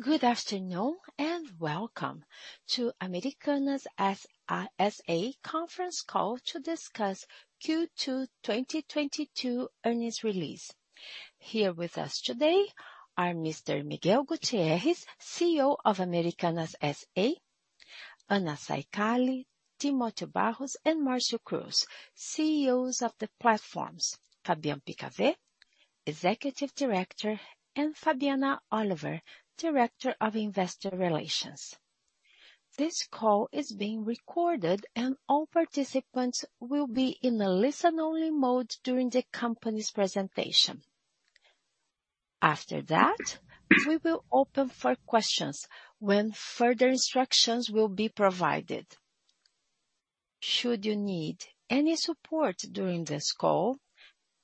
Good afternoon and welcome to Americanas S.A.'s conference call to discuss the Q2 2022 earnings release. Here with us today are Mr. Miguel Gutierrez, CEO of Americanas S.A.; Anna Saicali, Timotheo Barros, and Marcio Cruz, CEOs of the platforms; Fabien Picavet, Executive Director; and Fabiana Oliver, Director of Investor Relations. This call is being recorded, and all participants will be in a listen-only mode during the company's presentation. After that, we will open for questions when further instructions will be provided. Should you need any support during this call,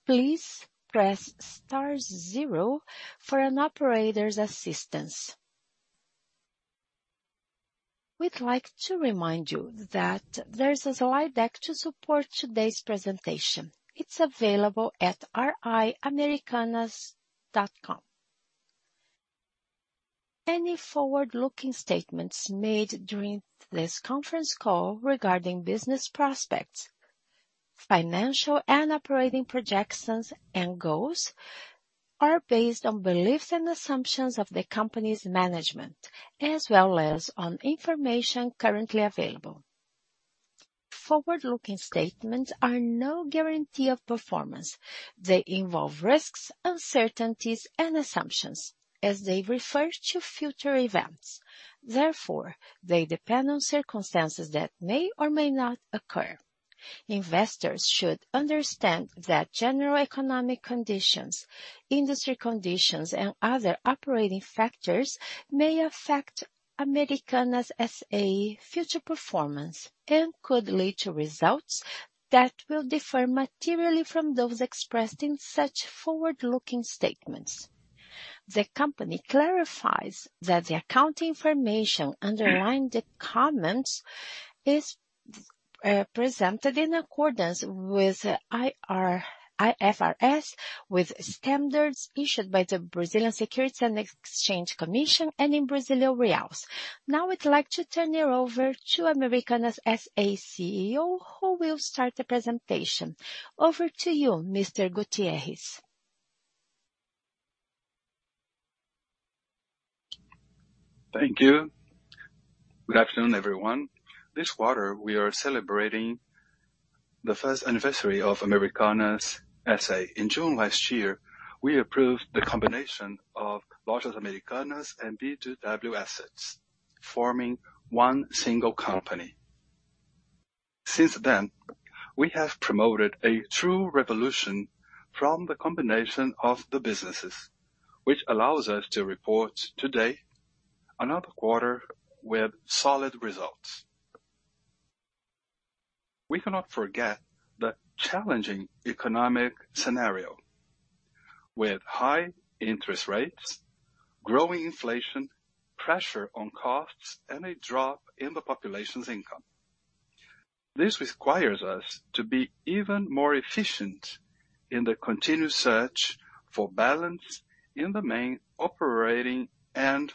please press star zero for operator assistance. We'd like to remind you that there's a slide deck to support today's presentation. It's available at ri.americanas.com. Any forward-looking statements made during this conference call regarding business prospects, financial and operating projections and goals are based on beliefs and assumptions of the company's management, as well as on information currently available. Forward-looking statements are no guarantee of performance. They involve risks, uncertainties, and assumptions as they refer to future events. Therefore, they depend on circumstances that may or may not occur. Investors should understand that general economic conditions, industry conditions, and other operating factors may affect Americanas S.A.'s future performance and could lead to results that will differ materially from those expressed in such forward-looking statements. The company clarifies that the account information underlying the comments is presented in accordance with IFRS, with standards issued by the Brazilian Securities and Exchange Commission and in Brazilian reais. Now, I'd like to turn you over to Americanas S.A. CEO, who will start the presentation. Over to you, Mr. Gutierrez. Thank you. Good afternoon, everyone. This quarter, we are celebrating the first anniversary of Americanas S.A. In June last year, we approved the combination of Lojas Americanas and B2W assets, forming one single company. Since then, we have promoted a true revolution from the combination of the businesses, which allows us to report today another quarter with solid results. We cannot forget the challenging economic scenario with high interest rates, growing inflation, pressure on costs, and a drop in the population's income. This requires us to be even more efficient in the continued search for balance in the main operating and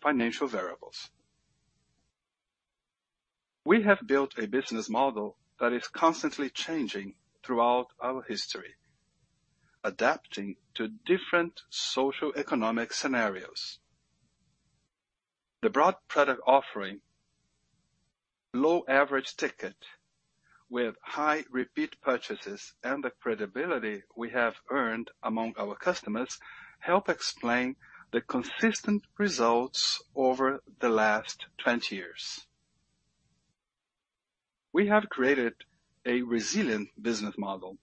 financial variables. We have built a business model that is constantly changing throughout our history, adapting to different socioeconomic scenarios. The broad product offering, low average ticket with high repeat purchases, and the credibility we have earned among our customers help explain the consistent results over the last 20 years. We have created a resilient business model.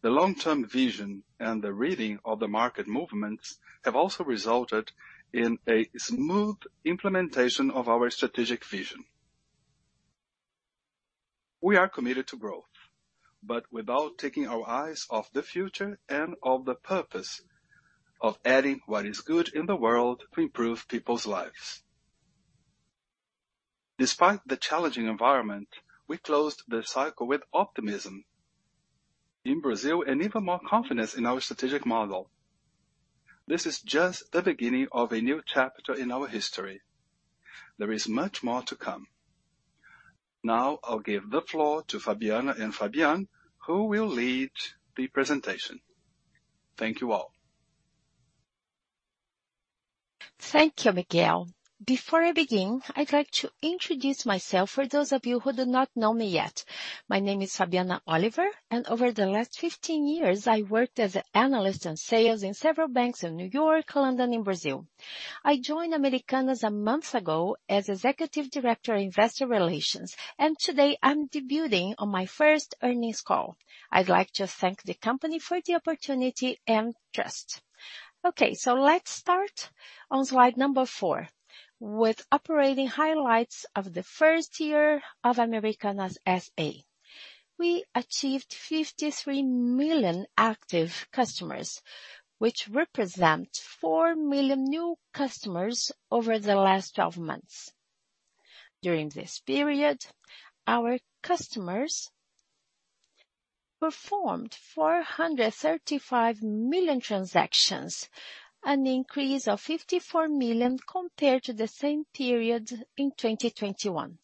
The long-term vision and the reading of the market movements have also resulted in a smooth implementation of our strategic vision. We are committed to growth, but without taking our eyes off the future and of the purpose of adding what is good in the world to improve people's lives. Despite the challenging environment, we closed the cycle with optimism in Brazil and even more confidence in our strategic model. This is just the beginning of a new chapter in our history. There is much more to come. Now, I'll give the floor to Fabiana and Fabien, who will lead the presentation. Thank you all. Thank you, Miguel. Before I begin, I'd like to introduce myself for those of you who do not know me yet. My name is Fabiana Oliver, and over the last 15 years, I worked as an analyst in sales in several banks in New York, London, and Brazil. I joined Americanas a month ago as Executive Director of Investor Relations, and today I'm debuting on my first earnings call. I'd like to thank the company for the opportunity and trust. Okay, let's start on slide number 4 with operating highlights of the first year of Americanas S.A. We achieved 53 million active customers, which represent 4 million new customers over the last 12 months. During this period, our customers performed 435 million transactions, an increase of 54 million compared to the same period in 2021.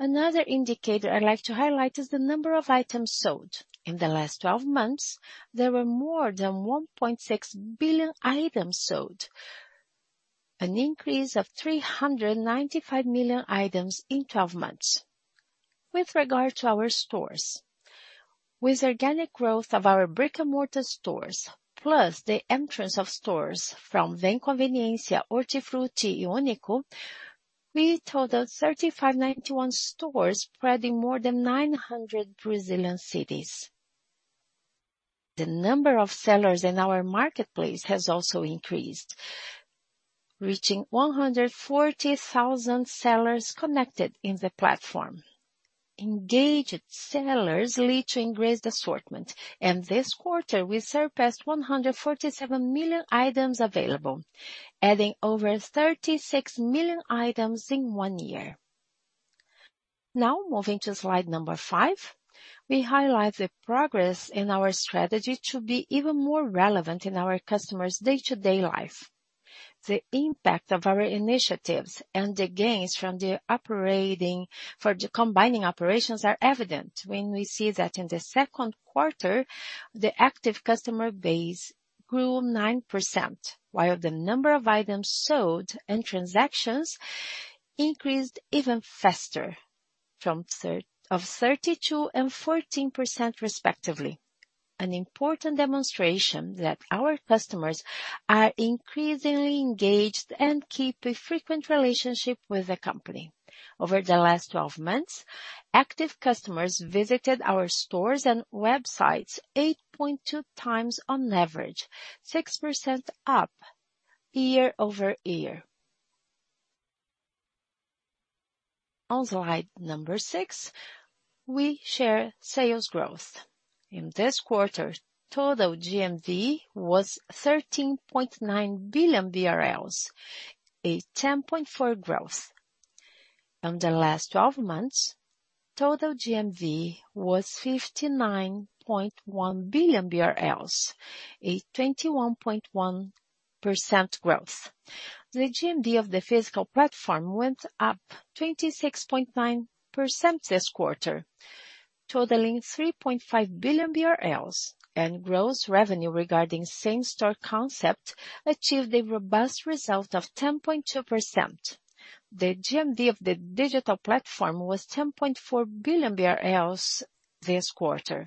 Another indicator I'd like to highlight is the number of items sold. In the last 12 months, there were more than 1.6 billion items sold, an increase of 395 million items in 12 months. With regard to our stores with organic growth of our brick-and-mortar stores, plus the entrance of stores from Vem Conveniência, Hortifruti, and Uni.co, we totaled 3,591 stores spreading more than 900 Brazilian cities. The number of sellers in our marketplace has also increased, reaching 140,000 sellers connected in the platform. Engaged sellers lead to increased assortment, and this quarter we surpassed 147 million items available, adding over 36 million items in one year. Now, moving to slide number 5, we highlight the progress in our strategy to be even more relevant in our customers' day-to-day life. The impact of our initiatives and the gains from the operating for the combining operations are evident when we see that in the second quarter, the active customer base grew 9%, while the number of items sold and transactions increased even faster from thirty-two and fourteen percent respectively. An important demonstration that our customers are increasingly engaged and keep a frequent relationship with the company. Over the last 12 months, active customers visited our stores and websites 8.2 times on average, 6% up year-over-year. On slide number 6, we share sales growth. In this quarter, total GMV was 13.9 billion BRL, a 10.4% growth. In the last 12 months, total GMV was 59.1 billion BRL, a 21.1% growth. The GMV of the physical platform went up 26.9% this quarter, totaling 3.5 billion BRL and gross revenue regarding same-store concept achieved a robust result of 10.2%. The GMV of the digital platform was 10.4 billion BRL this quarter,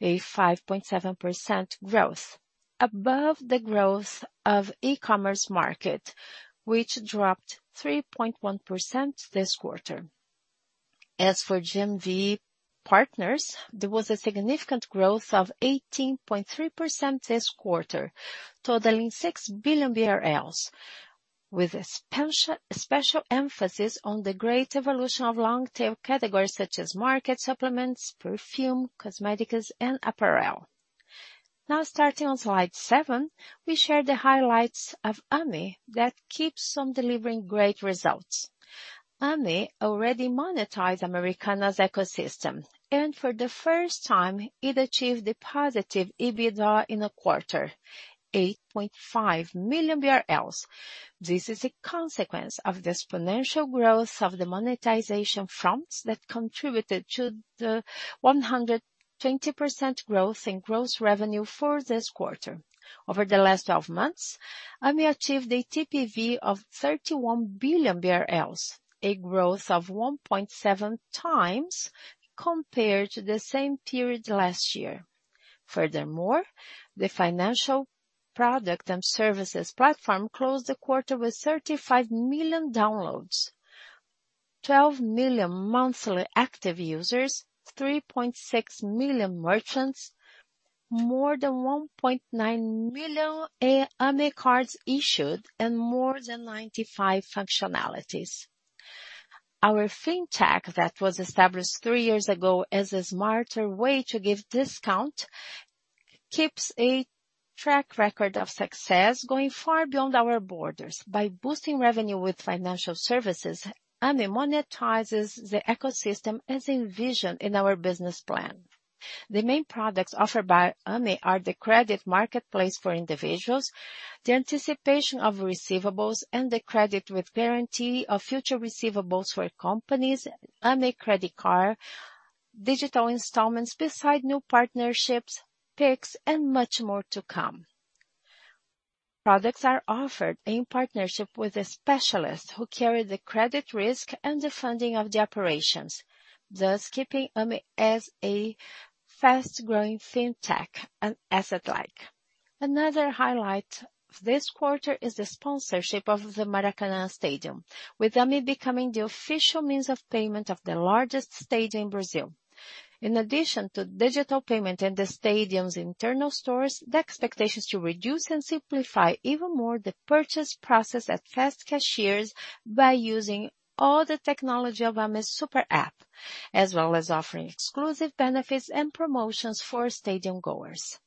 a 5.7% growth above the growth of e-commerce market, which dropped 3.1% this quarter. As for GMV partners, there was a significant growth of 18.3% this quarter, totaling 6 billion BRL, with a special emphasis on the great evolution of long-tail categories such as market supplements, perfume, cosmetics, and apparel. Now starting on slide seven, we share the highlights of Ame that keeps on delivering great results. Ame already monetized Americanas ecosystem, and for the first time it achieved a positive EBITDA in a quarter, 8.5 million BRL. This is a consequence of the exponential growth of the monetization fronts that contributed to the 120% growth in gross revenue for this quarter. Over the last twelve months, Ame achieved a TPV of 31 billion BRL, a growth of 1.7 times compared to the same period last year. Furthermore, the financial product and services platform closed the quarter with 35 million downloads, 12 million monthly active users, 3.6 million merchants, more than 1.9 million Ame cards issued, and more than 95 functionalities. Our fintech that was established three years ago as a smarter way to give discount keeps a track record of success going far beyond our borders. By boosting revenue with financial services, Ame monetizes the ecosystem as envisioned in our business plan. The main products offered by Ame are the credit marketplace for individuals, the anticipation of receivables and the credit with guarantee of future receivables for companies, Ame credit card, digital installments besides new partnerships, Pix and much more to come. Products are offered in partnership with a specialist who carry the credit risk and the funding of the operations, thus keeping Ame as a fast-growing fintech and asset-light. Another highlight of this quarter is the sponsorship of the Maracanã Stadium, with Ame becoming the official means of payment of the largest stadium in Brazil. In addition to digital payment in the stadium's internal stores, the expectation is to reduce and simplify even more the purchase process at fast cashiers by using all the technology of Ame's super app, as well as offering exclusive benefits and promotions for stadium goers.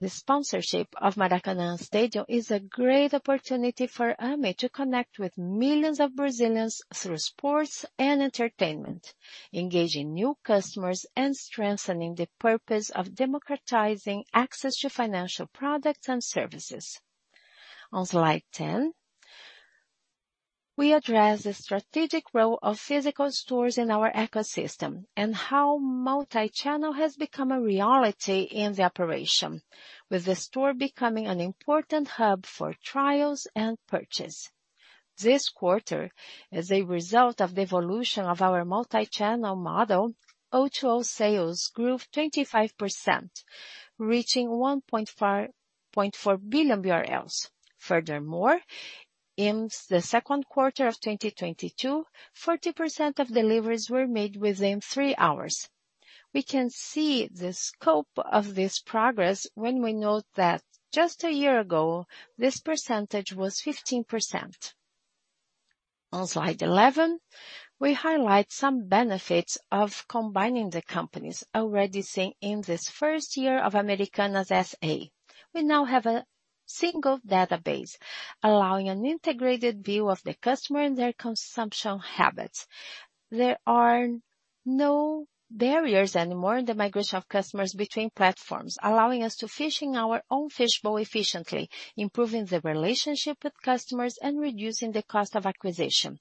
The sponsorship of Maracanã Stadium is a great opportunity for Ame to connect with millions of Brazilians through sports and entertainment, engaging new customers and strengthening the purpose of democratizing access to financial products and services. On slide 10, we address the strategic role of physical stores in our ecosystem and how multi-channel has become a reality in the operation, with the store becoming an important hub for trials and purchase. This quarter, as a result of the evolution of our multi-channel model, O2O sales grew 25%, reaching 1.54 billion. Furthermore, in the second quarter of 2022, 40% of deliveries were made within three hours. We can see the scope of this progress when we note that just a year ago, this percentage was 15%. On slide 11, we highlight some benefits of combining the companies already seen in this first year of Americanas S.A. We now have a single database allowing an integrated view of the customer and their consumption habits. There are no barriers anymore in the migration of customers between platforms, allowing us to fish in our own fishbowl efficiently, improving the relationship with customers and reducing the cost of acquisition.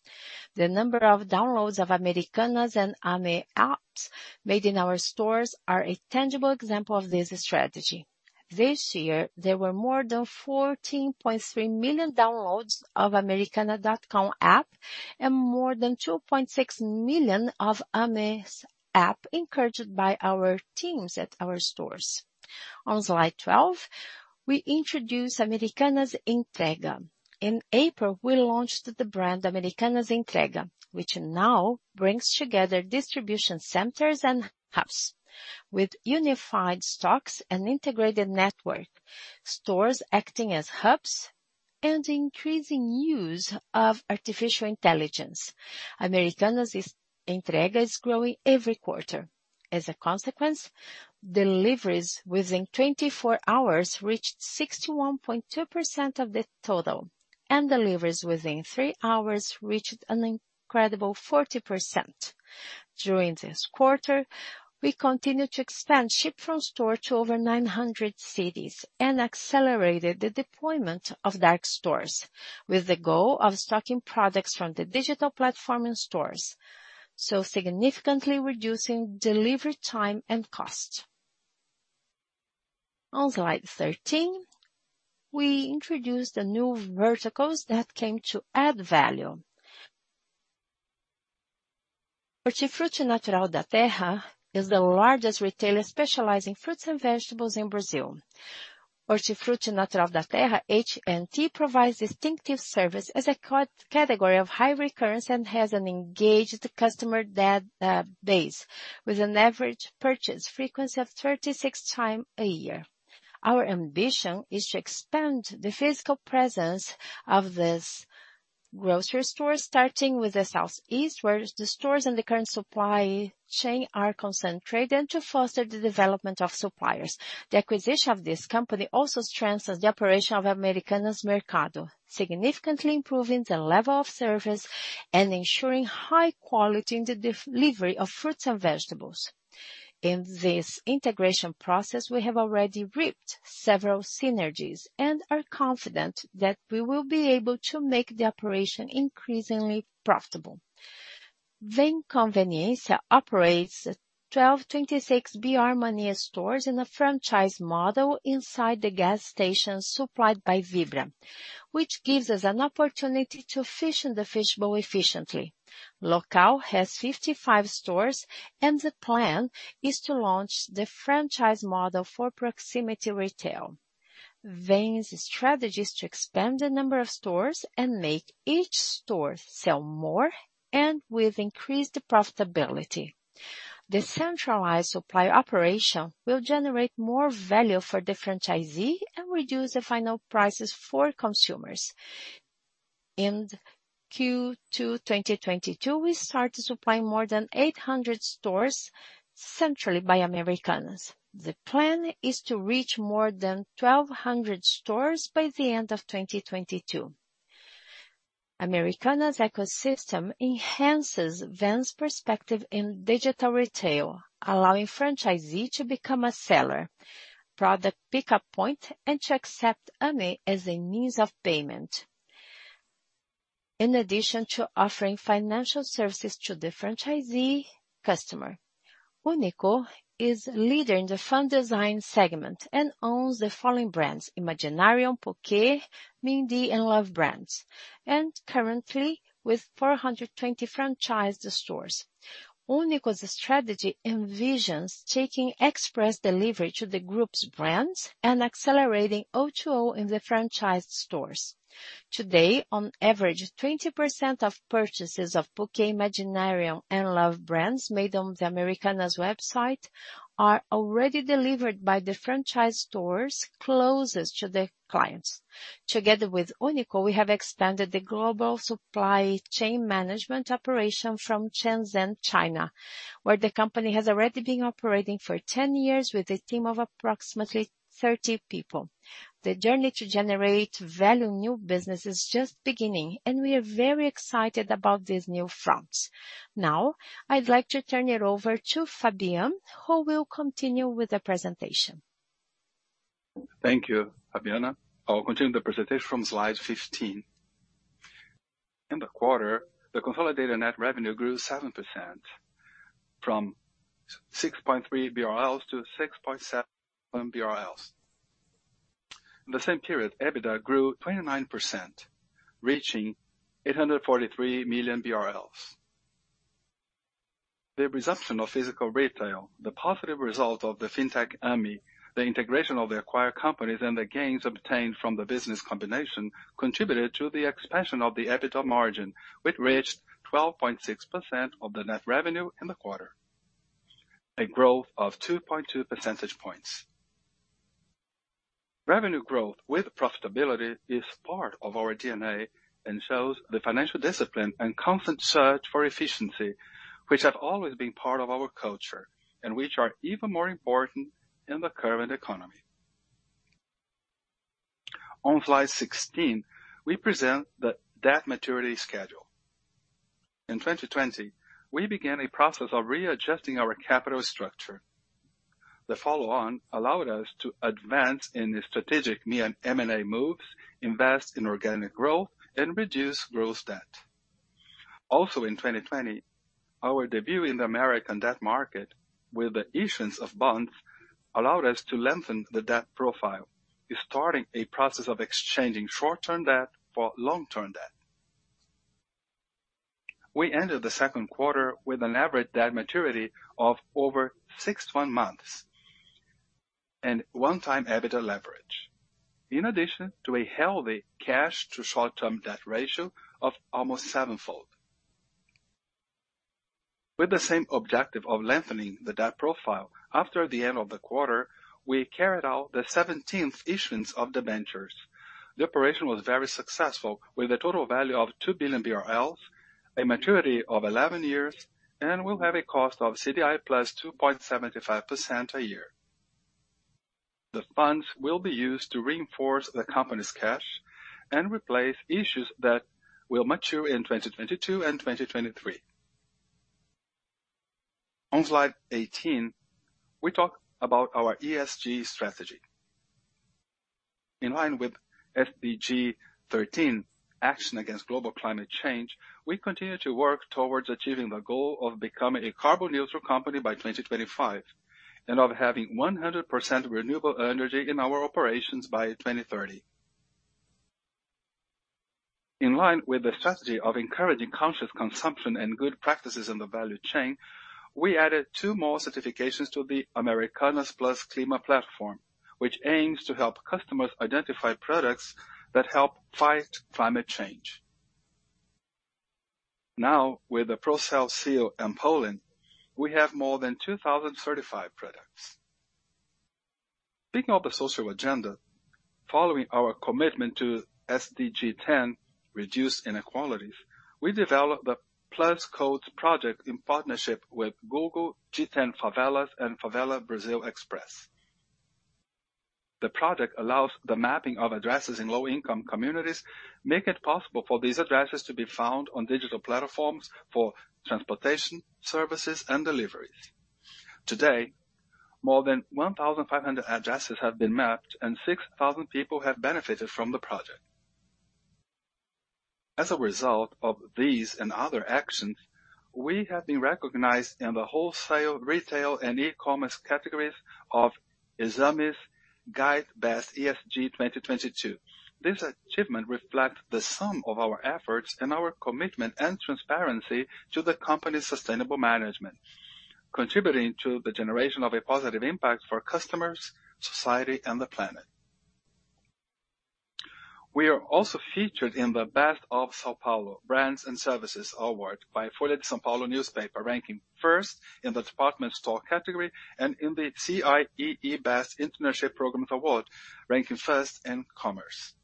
The number of downloads of Americanas and Ame apps made in our stores are a tangible example of this strategy. This year, there were more than 14.3 million downloads of the americanas.com app and more than 2.6 million of Ame's app encouraged by our teams at our stores. On slide 12, we introduce Americanas Entrega. In April, we launched the brand Americanas Entrega, which now brings together distribution centers and hubs with unified stocks and integrated network stores acting as hubs and increasing use of artificial intelligence. Americanas Entrega is growing every quarter. As a consequence, deliveries within 24 hours reached 61.2% of the total, and deliveries within 3 hours reached an incredible 40%. During this quarter, we continued to expand ship from store to over 900 cities and accelerated the deployment of dark stores with the goal of stocking products from the digital platform in stores, so significantly reducing delivery time and cost. On slide 13, we introduced the new verticals that came to add value. Hortifruti Natural da Terra is the largest retailer specializing in fruits and vegetables in Brazil. Hortifruti Natural da Terra, HNT, provides distinctive service as a category of high recurrence and has an engaged customer base with an average purchase frequency of 36 times a year. Our ambition is to expand the physical presence of this grocery store, starting with the Southeast, where the stores and the current supply chain are concentrated, and to foster the development of suppliers. The acquisition of this company also strengthens the operation of Americanas Mercado, significantly improving the level of service and ensuring high quality in the delivery of fruits and vegetables. In this integration process, we have already reaped several synergies and are confident that we will be able to make the operation increasingly profitable. Vem Conveniência operates 1,226 BR Mania stores in a franchise model inside the gas station supplied by Vibra, which gives us an opportunity to fish in the fishbowl efficiently. Local has 55 stores, and the plan is to launch the franchise model for proximity retail. Vem's strategy is to expand the number of stores and make each store sell more and with increased profitability. The centralized supply operation will generate more value for the franchisee and reduce the final prices for consumers. In Q2 2022, we start supplying more than 800 stores centrally by Americanas. The plan is to reach more than 1,200 stores by the end of 2022. Americanas' ecosystem enhances Vem's perspective in digital retail, allowing franchisee to become a seller, product pickup point, and to accept Ame as a means of payment. In addition to offering financial services to the franchisee customer. Uni.co is leader in the fun design segment and owns the following brands, Imaginarium, Puket, MinD and Lovebrands, and currently with 420 franchised stores. Uni.co's strategy envisions taking express delivery to the group's brands and accelerating O2O in the franchised stores. Today, on average, 20% of purchases of Puket, Imaginarium and Lovebrands made on the Americanas website are already delivered by the franchise stores closest to the clients. Together with Uni.co, we have expanded the global supply chain management operation from Shenzhen, China, where the company has already been operating for 10 years with a team of approximately 30 people. The journey to generate value in new business is just beginning, and we are very excited about these new fronts. Now, I'd like to turn it over to Fabien, who will continue with the presentation. Thank you, Fabiana. I'll continue the presentation from slide 15. In the quarter, the consolidated net revenue grew 7% from 6.3 billion BRL to 6.7 billion BRL. In the same period, EBITDA grew 29%, reaching BRL 843 million. The resumption of physical retail, the positive result of the fintech Ame, the integration of the acquired companies, and the gains obtained from the business combination contributed to the expansion of the EBITDA margin, which reached 12.6% of the net revenue in the quarter, a growth of 2.2 percentage points. Revenue growth with profitability is part of our DNA and shows the financial discipline and constant search for efficiency, which have always been part of our culture and which are even more important in the current economy. On slide 16, we present the debt maturity schedule. In 2020, we began a process of readjusting our capital structure. The follow-on allowed us to advance in the strategic M&A moves, invest in organic growth, and reduce gross debt. Also in 2020, our debut in the American debt market with the issuance of bonds allowed us to lengthen the debt profile, starting a process of exchanging short-term debt for long-term debt. We ended the second quarter with an average debt maturity of over 61 months and 1x EBITDA leverage, in addition to a healthy cash to short-term debt ratio of almost 7-fold. With the same objective of lengthening the debt profile, after the end of the quarter, we carried out the 17th issuance of debentures. The operation was very successful, with a total value of 2 billion BRL, a maturity of 11 years, and will have a cost of CDI plus 2.75% a year. The funds will be used to reinforce the company's cash and replace issues that will mature in 2022 and 2023. On slide 18, we talk about our ESG strategy. In line with SDG 13. Action against global climate change, we continue to work towards achieving the goal of becoming a carbon-neutral company by 2025, and of having 100% renewable energy in our operations by 2030. In line with the strategy of encouraging conscious consumption and good practices in the value chain, we added 2 more certifications to the Americanas +Clima platform, which aims to help customers identify products that help fight climate change. Now, with the Procel seal and Polen, we have more than 2,000 certified products. Speaking of the social agenda, following our commitment to SDG 10, Reduce inequalities, we developed the Plus Code project in partnership with Google, G10 Favelas, and Favela Brasil Xpress. The project allows the mapping of addresses in low-income communities, making it possible for these addresses to be found on digital platforms for transportation services and deliveries. Today, more than 1,500 addresses have been mapped and 6,000 people have benefited from the project. As a result of these and other actions, we have been recognized in the wholesale, retail, and e-commerce categories of Exame's Guide to the Best ESG 2022. This achievement reflects the sum of our efforts and our commitment and transparency to the company's sustainable management, contributing to the generation of a positive impact for customers, society, and the planet. We are also featured in the Best of São Paulo Brands and Services Award by Folha de S.Paulo newspaper, ranking first in the department store category and in the CIEE Best Internship Programs Award, ranking first in commerce.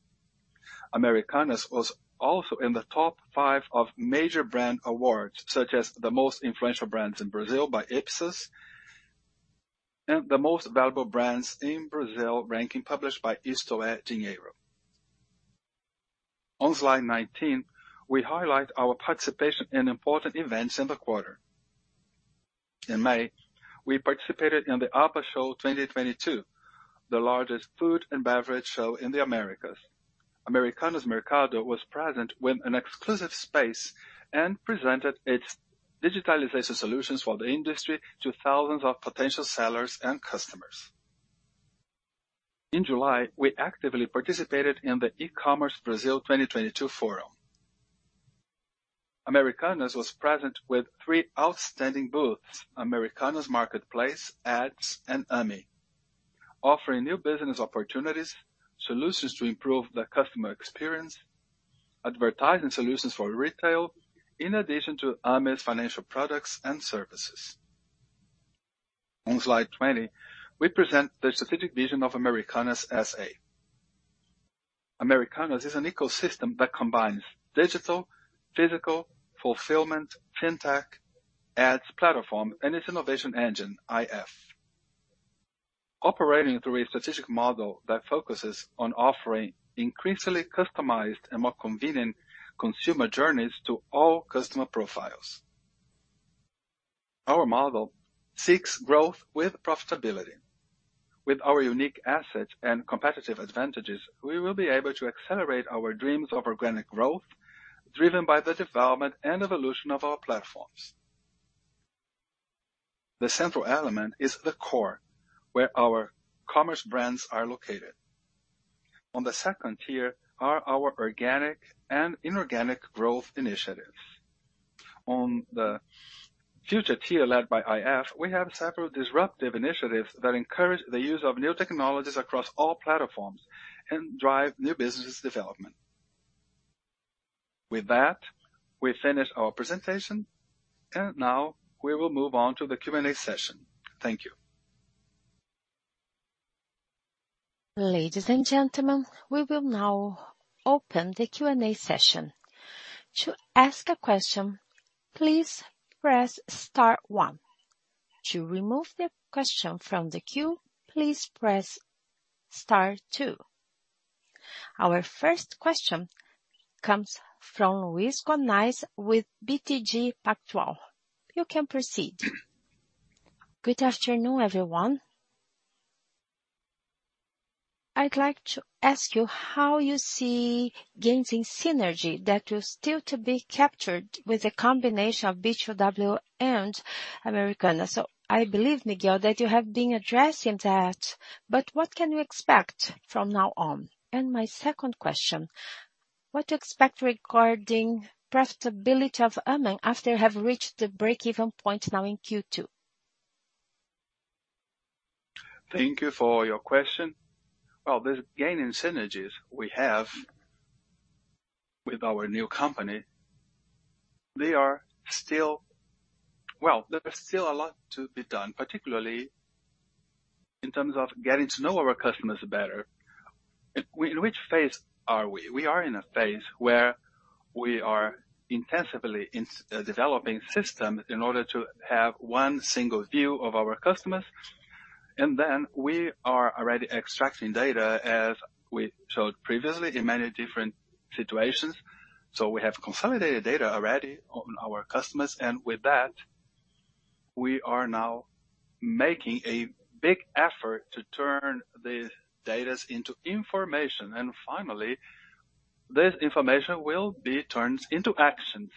Americanas was also in the top 5 of major brand awards, such as the Most Influential Brands in Brazil by Ipsos and the Most Valuable Brands in Brazil ranking published by IstoÉ Dinheiro. On slide 19, we highlight our participation in important events in the quarter. In May, we participated in the APAS Show 2022, the largest food and beverage show in the Americas. Americanas Mercado was present with an exclusive space and presented its digitalization solutions for the industry to thousands of potential sellers and customers. In July, we actively participated in the E-commerce Brasil 2022 forum. Americanas was present with three outstanding booths, Americanas Marketplace, Americanas Ads, and Ame, offering new business opportunities, solutions to improve the customer experience, advertising solutions for retail, in addition to Ame's financial products and services. On slide 20, we present the strategic vision of Americanas S.A. Americanas is an ecosystem that combines digital, physical, fulfillment, Fintech, ads platform, and its innovation engine, IF. Operating through a strategic model that focuses on offering increasingly customized and more convenient consumer journeys to all customer profiles. Our model seeks growth with profitability. With our unique assets and competitive advantages, we will be able to accelerate our dreams of organic growth, driven by the development and evolution of our platforms. The central element is the core where our commerce brands are located. On the second tier are our organic and inorganic growth initiatives. On the future tier led by IF, we have several disruptive initiatives that encourage the use of new technologies across all platforms and drive new business development. With that, we finish our presentation, and now we will move on to the Q&A session. Thank you. Ladies and gentlemen, we will now open the Q&A session. To ask a question, please press star one. To remove the question from the queue, please press star two. Our first question comes from Luiz Guanais with BTG Pactual. You can proceed. Good afternoon, everyone. I'd like to ask you how you see gains in synergy that is still to be captured with a combination of B2W and Americanas. I believe, Miguel, that you have been addressing that, but what can you expect from now on? My second question, what do you expect regarding profitability of Ame after you have reached the break-even point now in Q2? Thank you for your question. Well, the gain in synergies we have with our new company, they are still. Well, there's still a lot to be done, particularly in terms of getting to know our customers better. In which phase are we? We are in a phase where we are intensively developing systems in order to have one single view of our customers. We are already extracting data, as we showed previously in many different situations. We have consolidated data already on our customers, and with that, we are now making a big effort to turn these data into information. Finally, this information will be turned into actions.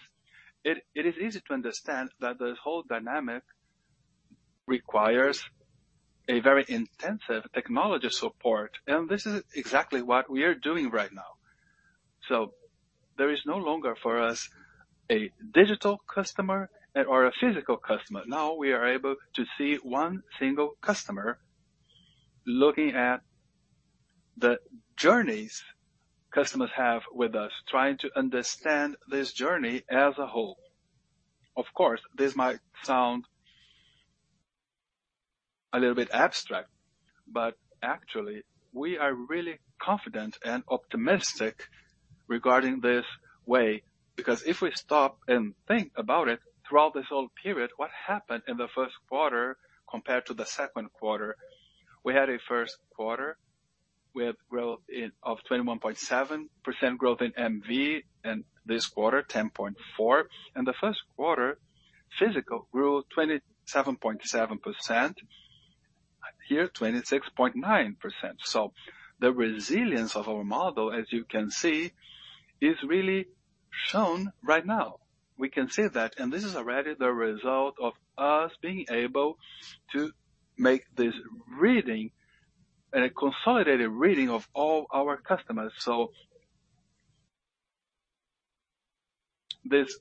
It is easy to understand that the whole dynamic requires a very intensive technology support, and this is exactly what we are doing right now. There is no longer for us a digital customer or a physical customer. Now we are able to see one single customer looking at the journeys customers have with us, trying to understand this journey as a whole. Of course, this might sound a little bit abstract, but actually we are really confident and optimistic regarding this way, because if we stop and think about it throughout this whole period, what happened in the first quarter compared to the second quarter. We had a first quarter with 21.7% growth in MV, and this quarter, 10.4%. In the first quarter, physical grew 27.7%. Here, 26.9%. The resilience of our model, as you can see, is really shown right now. We can see that, and this is already the result of us being able to make this reading a consolidated reading of all our customers. This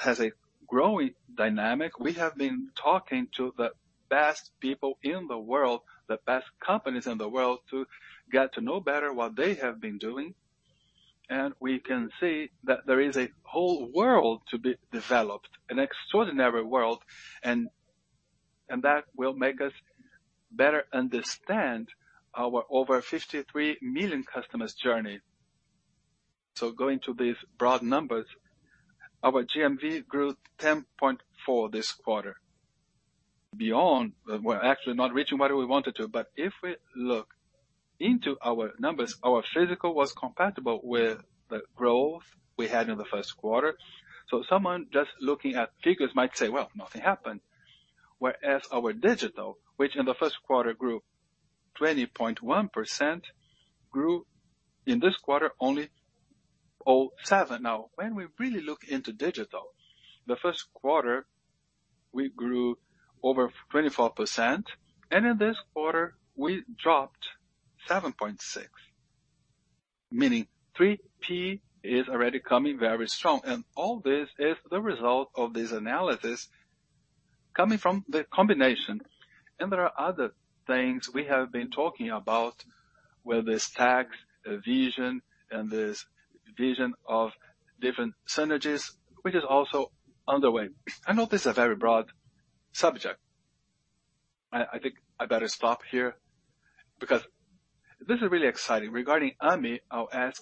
has a growing dynamic. We have been talking to the best people in the world, the best companies in the world to get to know better what they have been doing, and we can see that there is a whole world to be developed, an extraordinary world, and that will make us better understand our over 53 million customers' journey. Going to these broad numbers, our GMV grew 10.4% this quarter. But we're actually not reaching where we wanted to, but if we look into our numbers, our physical was compatible with the growth we had in the first quarter. Someone just looking at figures might say, "Well, nothing happened." Whereas our digital, which in the first quarter grew 20.1%, grew in this quarter only 0.7%. Now, when we really look into digital, the first quarter we grew over 24%, and in this quarter we dropped 7.6%. Meaning 3P is already coming very strong. All this is the result of these analysis coming from the combination. There are other things we have been talking about, where this tech vision and this vision of different synergies, which is also underway. I know this is a very broad subject. I think I better stop here because this is really exciting. Regarding Ame, I'll ask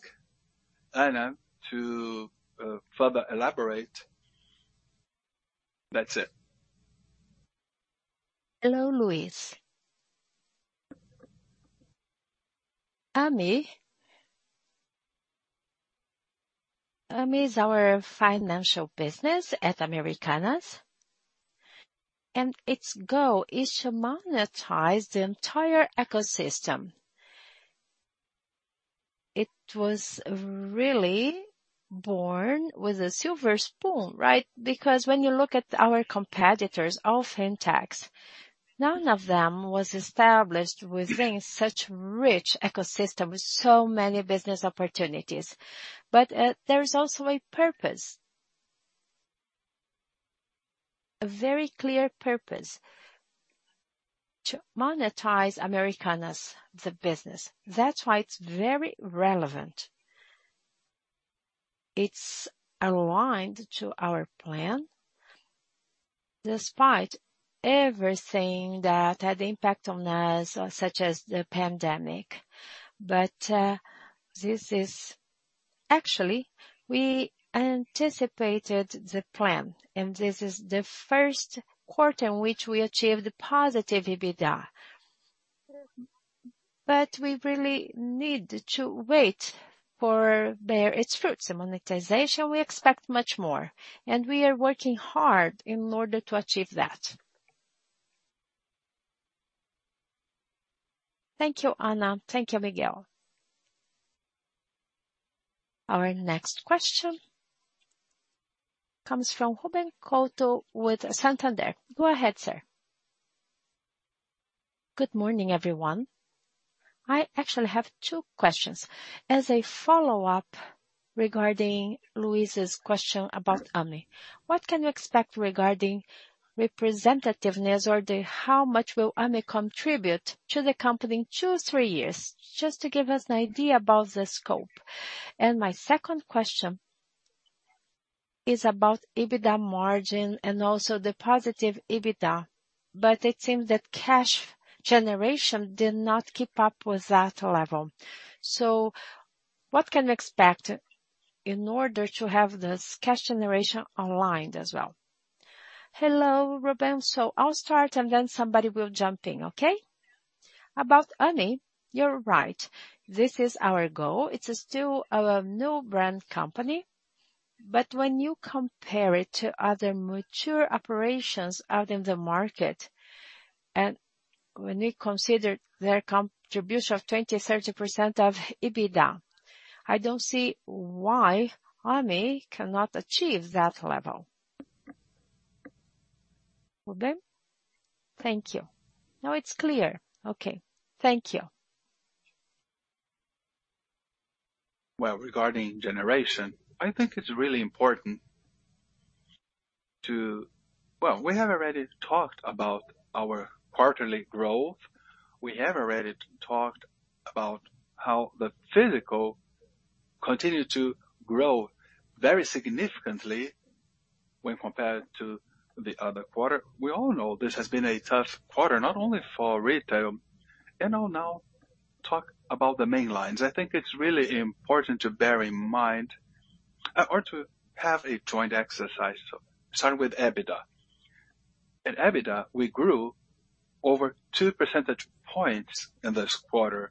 Ana Saikali to further elaborate. That's it. Hello, Luiz. Ame. Ame is our financial business at Americanas, and its goal is to monetize the entire ecosystem. It was really born with a silver spoon, right? Because when you look at our competitors, all fintechs, none of them was established within such rich ecosystem with so many business opportunities. There is also a purpose. A very clear purpose to monetize Americanas, the business. That's why it's very relevant. It's aligned to our plan despite everything that had impact on us, such as the pandemic. Actually, we anticipated the plan, and this is the first quarter in which we achieved positive EBITDA. We really need to wait for it to bear fruit. In monetization, we expect much more, and we are working hard in order to achieve that. Thank you, Anna. Thank you, Miguel. Our next question comes from Ruben Couto with Santander. Go ahead, sir. Good morning, everyone. I actually have two questions. As a follow-up regarding Luiz's question about Ame. What can you expect regarding representativeness or the how much will Ame contribute to the company in two, three years? Just to give us an idea about the scope. My second question is about EBITDA margin and also the positive EBITDA. It seems that cash generation did not keep up with that level. What can you expect in order to have this cash generation aligned as well? Hello, Ruben. I'll start, and then somebody will jump in, okay? About Ame, you're right. This is our goal. It's still a new brand company. When you compare it to other mature operations out in the market, and when you consider their contribution of 20, 30% of EBITDA, I don't see why Ame cannot achieve that level. Ruben? Thank you. Now it's clear. Okay. Thank you. Well, regarding generation, I think it's really important to. Well, we have already talked about our quarterly growth. We have already talked about how the physical continued to grow very significantly when compared to the other quarter. We all know this has been a tough quarter, not only for retail. I'll now talk about the main lines. I think it's really important to bear in mind or to have a joint exercise. Starting with EBITDA. In EBITDA, we grew over two percentage points in this quarter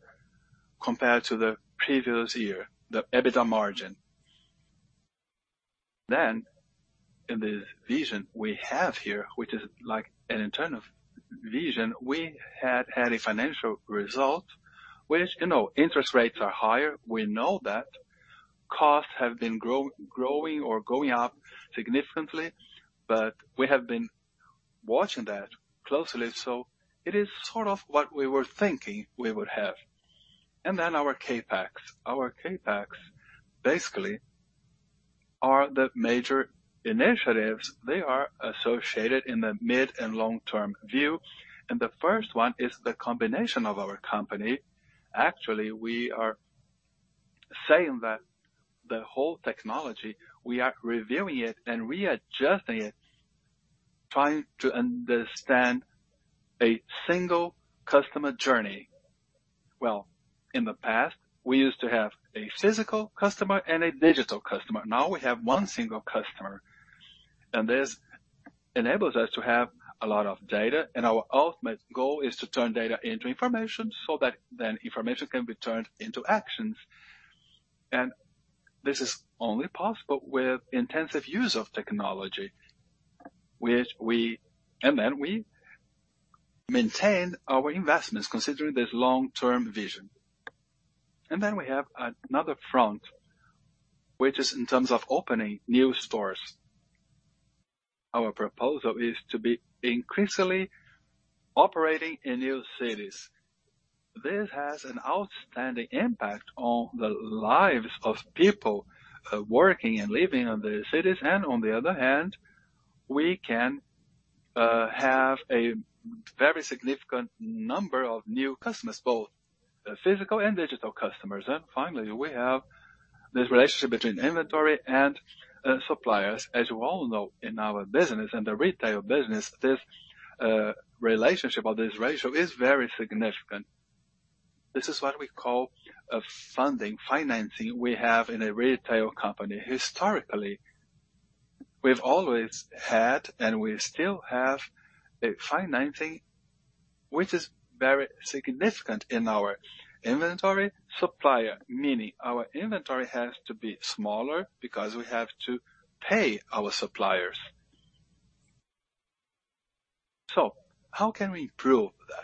compared to the previous year, the EBITDA margin. Then in the vision we have here, which is like an internal vision, we had a financial result, which, you know, interest rates are higher. We know that. Costs have been growing or going up significantly, but we have been watching that closely. It is sort of what we were thinking we would have. Our CapEx. Our CapEx basically are the major initiatives. They are associated in the mid and long-term view, and the first one is the combination of our company. Actually, we are saying that the whole technology, we are reviewing it and readjusting it, trying to understand a single customer journey. Well, in the past, we used to have a physical customer and a digital customer. Now we have one single customer, and this enables us to have a lot of data, and our ultimate goal is to turn data into information so that then information can be turned into actions. This is only possible with intensive use of technology. We maintain our investments considering this long-term vision. We have another front, which is in terms of opening new stores. Our proposal is to be increasingly operating in new cities. This has an outstanding impact on the lives of people working and living in the cities. On the other hand, we can have a very significant number of new customers, both physical and digital customers. Finally, we have this relationship between inventory and suppliers. As you all know, in our business, in the retail business, this relationship or this ratio is very significant. This is what we call a funding, financing we have in a retail company. Historically, we've always had, and we still have a financing which is very significant in our inventory supplier. Meaning our inventory has to be smaller because we have to pay our suppliers. How can we improve that?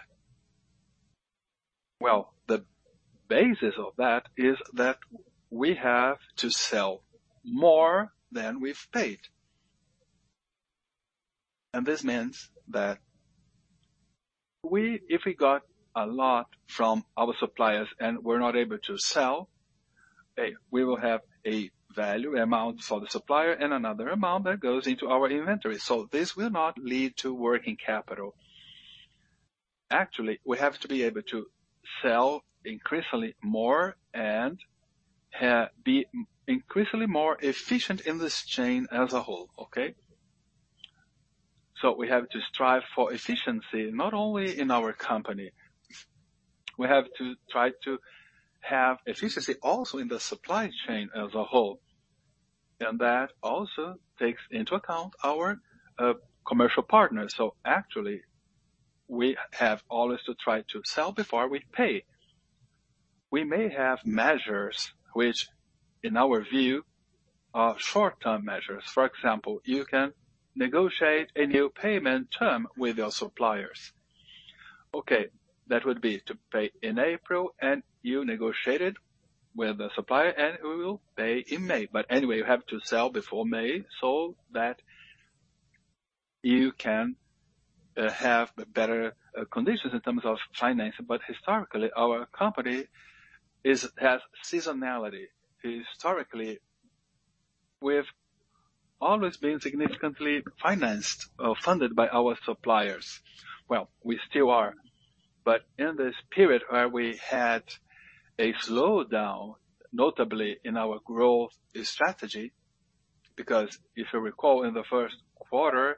Well, the basis of that is that we have to sell more than we've paid. This means that we if we got a lot from our suppliers and we're not able to sell, we will have a value amount for the supplier and another amount that goes into our inventory. This will not lead to working capital. Actually, we have to be able to sell increasingly more and have increasingly more efficient in this chain as a whole. Okay? We have to strive for efficiency not only in our company. We have to try to have efficiency also in the supply chain as a whole. That also takes into account our commercial partners. Actually we have always to try to sell before we pay. We may have measures which in our view are short-term measures. For example, you can negotiate a new payment term with your suppliers. Okay, that would be to pay in April and you negotiated with the supplier and we will pay in May. Anyway, you have to sell before May so that you can have better conditions in terms of financing. Historically our company has seasonality. Historically, we've always been significantly financed or funded by our suppliers. Well, we still are. In this period where we had a slowdown, notably in our growth strategy, because if you recall in the first quarter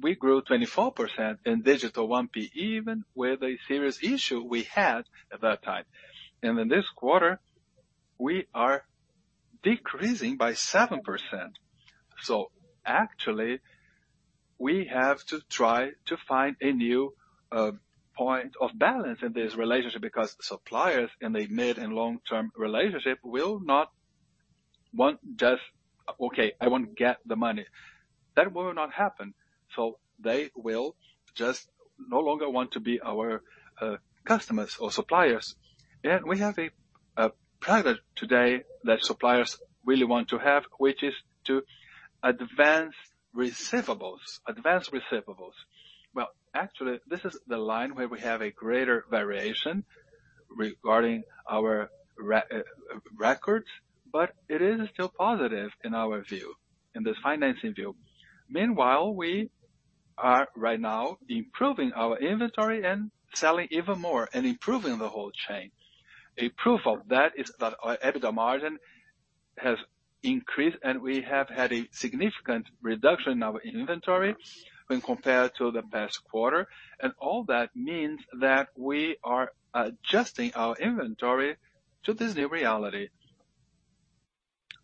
we grew 24% in digital, 1P, even with a serious issue we had at that time. In this quarter we are decreasing by 7%. Actually we have to try to find a new point of balance in this relationship because suppliers in a mid- and long-term relationship will not want just, "Okay, I want to get the money." That will not happen. They will just no longer want to be our customers or suppliers. We have a product today that suppliers really want to have, which is to advance receivables. Well, actually this is the line where we have a greater variation regarding our records, but it is still positive in our view, in this financing view. Meanwhile, we are right now improving our inventory and selling even more and improving the whole chain. A proof of that is that our EBITDA margin has increased and we have had a significant reduction in our inventory when compared to the past quarter. all that means that we are adjusting our inventory to this new reality.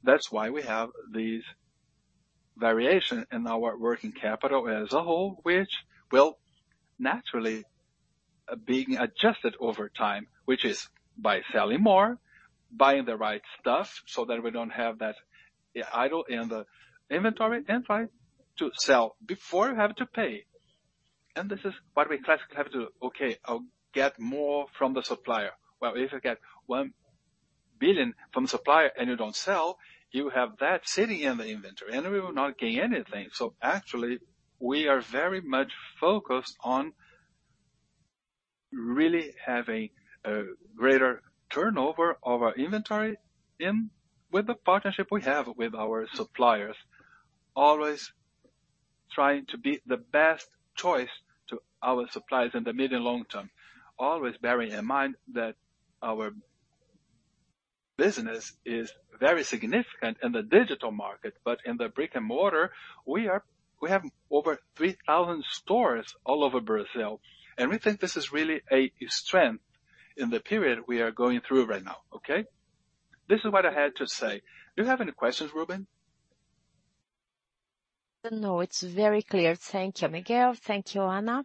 That's why we have these variations in our working capital as a whole, which will naturally be adjusted over time, which is by selling more, buying the right stuff so that we don't have that idle in the inventory, and try to sell before you have to pay. This is what we classically have to, "Okay, I'll get more from the supplier." Well, if you get 1 billion from the supplier and you don't sell, you have that sitting in the inventory and we will not gain anything. Actually we are very much focused on really having a greater turnover of our inventory and with the partnership we have with our suppliers, always trying to be the best choice to our suppliers in the mid and long term. Always bearing in mind that our business is very significant in the digital market, but in the brick-and-mortar we have over 3,000 stores all over Brazil. We think this is really a strength in the period we are going through right now. Okay? This is what I had to say. Do you have any questions, Ruben? No, it's very clear. Thank you, Miguel. Thank you, Ana.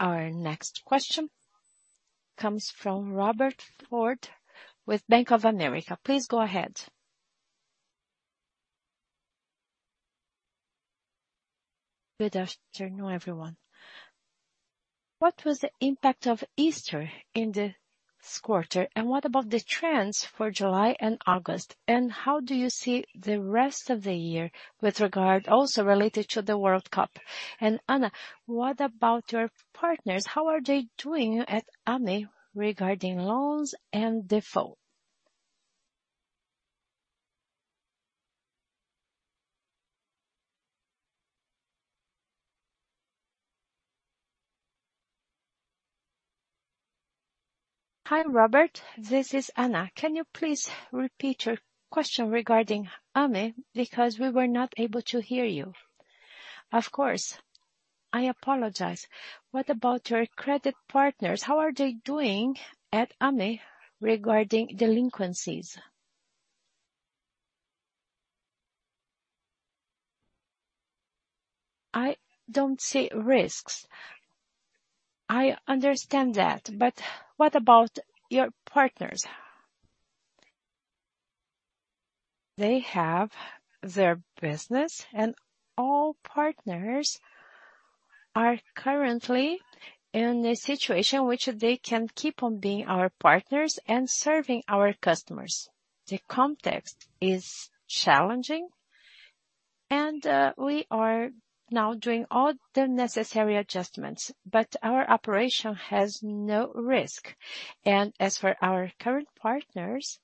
Our next question comes from Robert Ford with Bank of America. Please go ahead. Good afternoon, everyone. What was the impact of Easter in this quarter, and what about the trends for July and August? How do you see the rest of the year with regard also related to the World Cup? Ana, what about your partners? How are they doing at Ame regarding loans and default? Hi, Robert, this is Anna. Can you please repeat your question regarding Ame? Because we were not able to hear you. Of course. I apologize. What about your credit partners? How are they doing at Ame regarding delinquencies? I don't see risks. I understand that, but what about your partners? They have their business and all partners are currently in a situation which they can keep on being our partners and serving our customers. The context is challenging and, we are now doing all the necessary adjustments, but our operation has no risk. As for our current partners,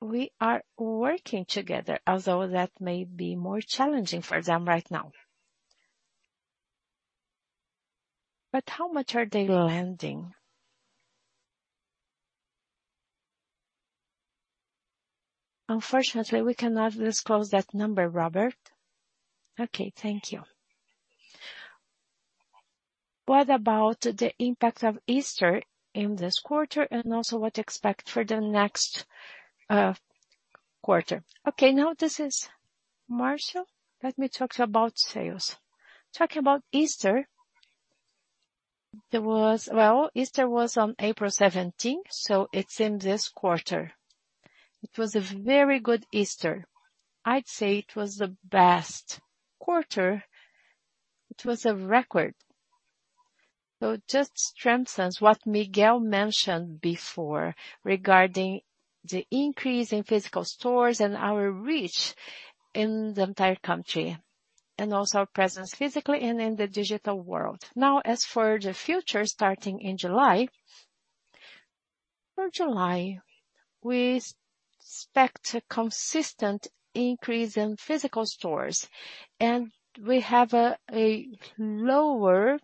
we are working together, although that may be more challenging for them right now. How much are they lending? Unfortunately, we cannot disclose that number, Robert. Okay, thank you. What about the impact of Easter in this quarter, and also what to expect for the next, quarter? Okay, now this is Marcio. Let me talk to you about sales. Talking about Easter. Well, Easter was on April seventeenth, so it's in this quarter. It was a very good Easter. I'd say it was the best quarter. It was a record. It just strengthens what Miguel mentioned before regarding the increase in physical stores and our reach in the entire country, and also our presence physically and in the digital world. Now, as for the future, starting in July. For July, we expect a consistent increase in physical stores. We have a lower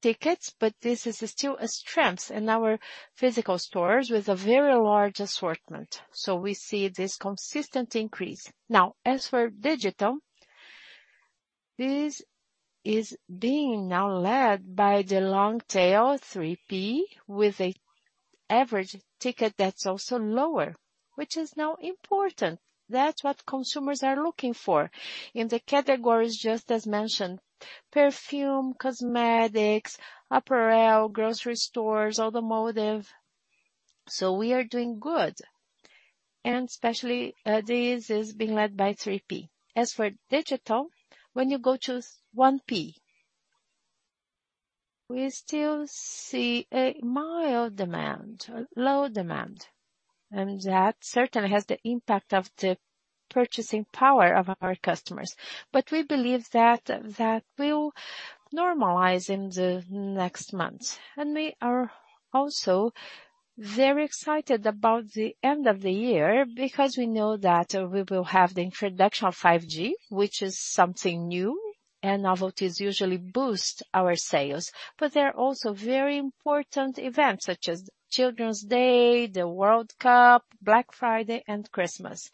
tickets, but this is still a strength in our physical stores with a very large assortment. We see this consistent increase. Now, as for digital, this is being now led by the long tail, 3P, with a average ticket that's also lower, which is now important. That's what consumers are looking for. In the categories just as mentioned, perfume, cosmetics, apparel, grocery stores, automotive. We are doing good. Especially, this is being led by 3P. As for digital, when you go to 1P, we still see a mild demand or low demand, and that certainly has the impact of the purchasing power of our customers. We believe that will normalize in the next months. We are also very excited about the end of the year because we know that we will have the introduction of 5G, which is something new, and novelties usually boost our sales. There are also very important events such as Children's Day, the World Cup, Black Friday and Christmas.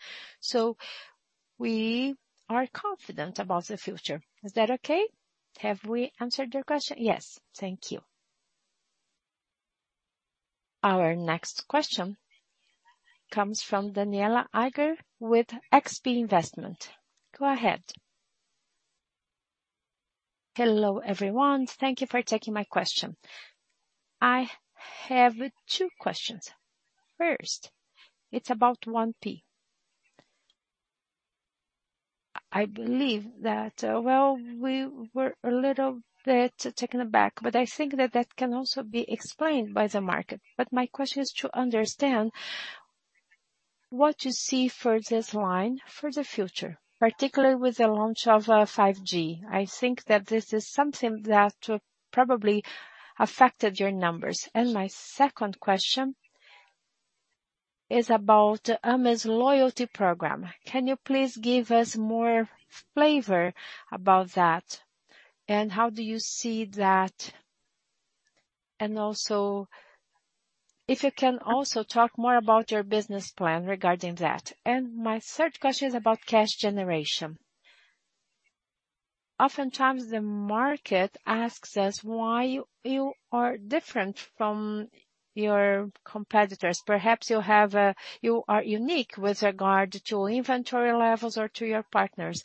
We are confident about the future. Is that okay? Have we answered your question? Yes. Thank you. Our next question comes from Danniela Eiger with XP Investimentos. Go ahead. Hello, everyone. Thank you for taking my question. I have two questions. First, it's about 1P. I believe that, well, we were a little bit taken aback, but I think that that can also be explained by the market. My question is to understand what you see for this line for the future, particularly with the launch of 5G. I think that this is something that probably affected your numbers. My second question is about Ame's loyalty program. Can you please give us more flavor about that, and how do you see that? Also, if you can talk more about your business plan regarding that. My third question is about cash generation. Oftentimes, the market asks us why you are different from your competitors. Perhaps you are unique with regard to inventory levels or to your partners,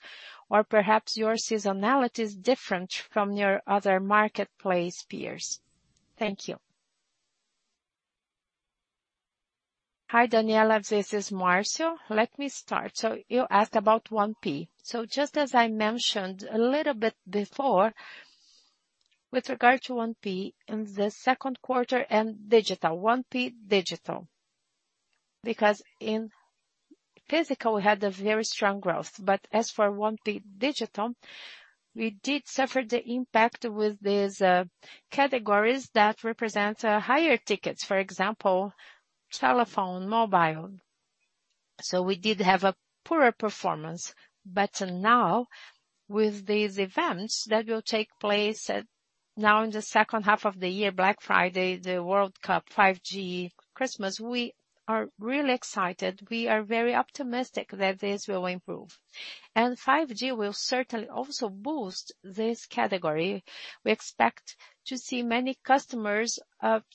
or perhaps your seasonality is different from your other marketplace peers. Thank you. Hi, Daniela. This is Márcio. Let me start. You asked about 1P. Just as I mentioned a little bit before, with regard to 1P in the second quarter and digital, 1P digital. Because in physical, we had a very strong growth. As for 1P digital, we did suffer the impact with these categories that represent higher tickets. For example, telephone, mobile. We did have a poorer performance. Now with these events that will take place in the second half of the year, Black Friday, the World Cup, 5G, Christmas, we are really excited. We are very optimistic that this will improve. 5G will certainly also boost this category. We expect to see many customers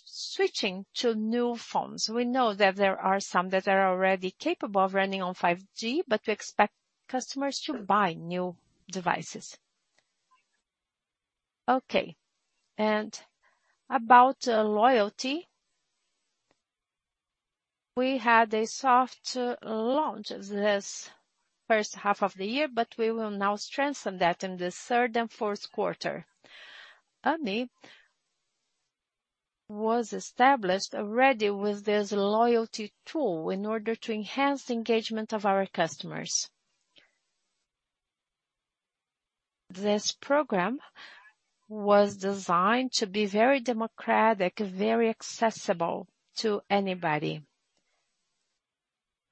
switching to new phones. We know that there are some that are already capable of running on 5G, but we expect customers to buy new devices. Okay. About loyalty. We had a soft launch this first half of the year, but we will now strengthen that in the third and fourth quarter. Ame was established already with this loyalty tool in order to enhance the engagement of our customers. This program was designed to be very democratic, very accessible to anybody.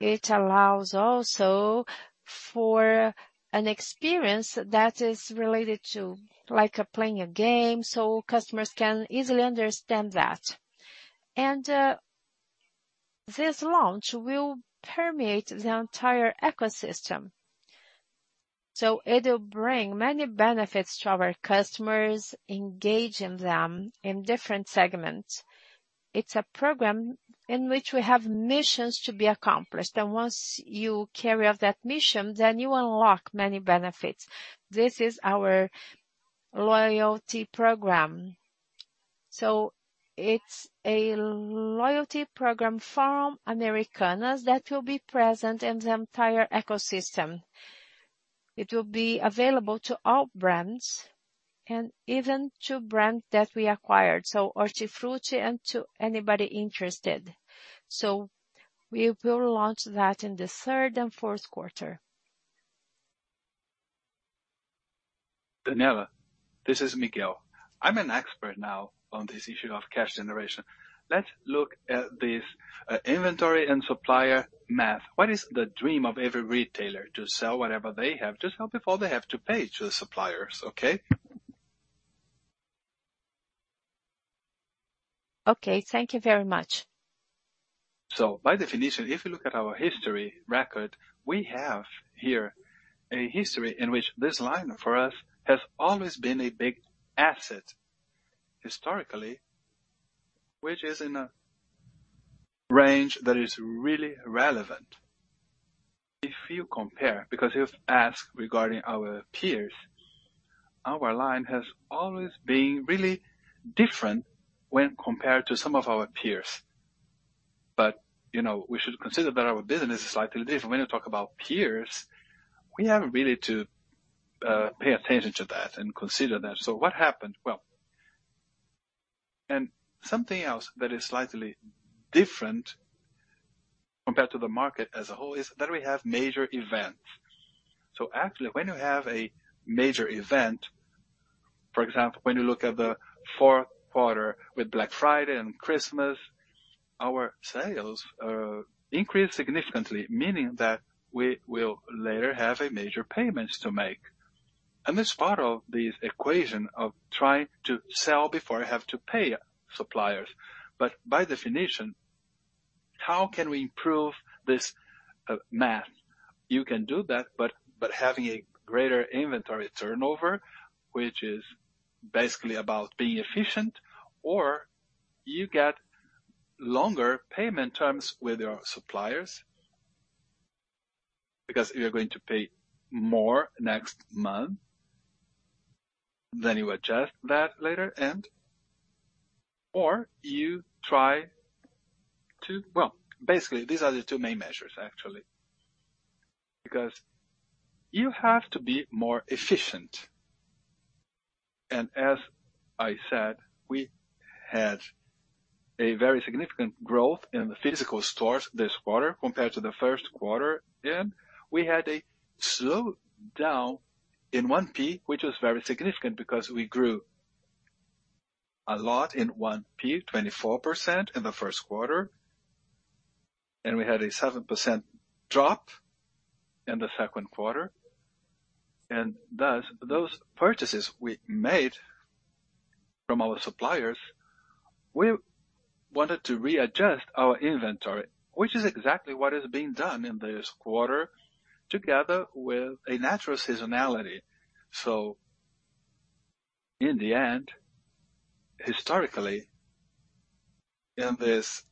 It allows also for an experience that is related to like playing a game, so customers can easily understand that. This launch will permeate the entire ecosystem. It will bring many benefits to our customers, engaging them in different segments. It's a program in which we have missions to be accomplished. Once you carry out that mission, then you unlock many benefits. This is our loyalty program. It's a loyalty program from Americanas that will be present in the entire ecosystem. It will be available to all brands and even to brands that we acquired, so Hortifruti and to anybody interested. We will launch that in the third and fourth quarter. Danniela, this is Miguel. I'm an expert now on this issue of cash generation. Let's look at this inventory and supplier math. What is the dream of every retailer, to sell whatever they have just before they have to pay to the suppliers, okay? Okay, thank you very much. By definition, if you look at our history record, we have here a history in which this line for us has always been a big asset historically, which is in a range that is really relevant. If you compare, because you've asked regarding our peers, our line has always been really different when compared to some of our peers. You know, we should consider that our business is slightly different. When you talk about peers, we have really to pay attention to that and consider that. What happened? Something else that is slightly different compared to the market as a whole is that we have major events. Actually, when you have a major event, for example, when you look at the fourth quarter with Black Friday and Christmas, our sales increase significantly, meaning that we will later have major payments to make. This part of the equation of trying to sell before you have to pay suppliers. By definition, how can we improve this math? You can do that, but having a greater inventory turnover, which is basically about being efficient, or you get longer payment terms with your suppliers. Because if you're going to pay more next month, then you adjust that later. Well, basically, these are the two main measures, actually. Because you have to be more efficient. As I said, we had a very significant growth in the physical stores this quarter compared to the first quarter. We had a slowdown in 1P, which was very significant because we grew a lot in 1P, 24% in the first quarter. We had a 7% drop in the second quarter. Those purchases we made from our suppliers, we wanted to readjust our inventory, which is exactly what is being done in this quarter together with a natural seasonality. In the end, historically, in this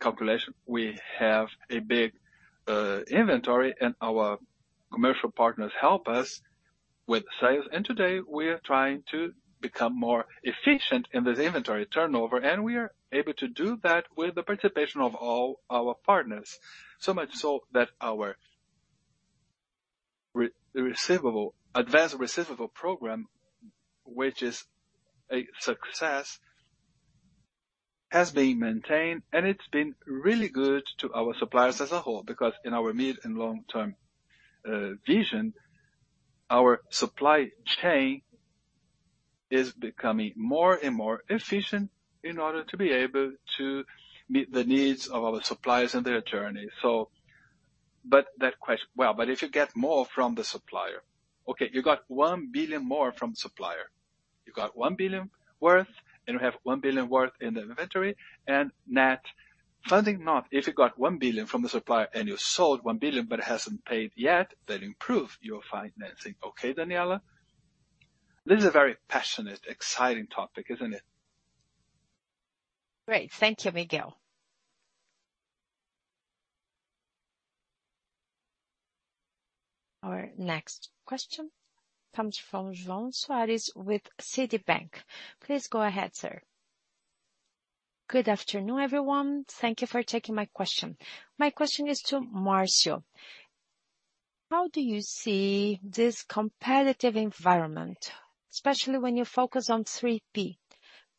calculation, we have a big inventory and our commercial partners help us with sales. Today we are trying to become more efficient in this inventory turnover, and we are able to do that with the participation of all our partners. Much so that our receivables advance program, which is a success, has been maintained, and it's been really good to our suppliers as a whole. Because in our mid and long-term vision, our supply chain is becoming more and more efficient in order to be able to meet the needs of our suppliers and their journey. If you get more from the supplier, okay, you got 1 billion more from supplier. You got 1 billion worth, and you have 1 billion worth in the inventory and net funding not. If you got 1 billion from the supplier and you sold 1 billion but it hasn't paid yet, that improve your financing. Okay, Danniela? This is a very passionate, exciting topic, isn't it? Great. Thank you, Miguel. Our next question comes from João Soares with Citi. Please go ahead, sir. Good afternoon, everyone. Thank you for taking my question. My question is to Márcio. How do you see this competitive environment, especially when you focus on 3P?